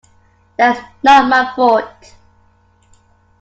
That is not my forte.